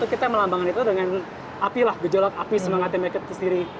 kami melambangkan semangatnya dengan api semangat yang mereka ketes diri